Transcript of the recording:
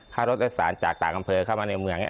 ถ้ารถโดยสารจากต่างอำเภอเข้ามาในเมือง